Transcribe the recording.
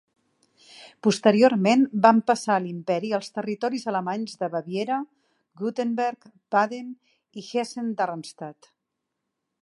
Posteriorment van passar a l'imperi els territoris alemanys de Baviera, Württemberg, Baden i Hessen-Darmstadt.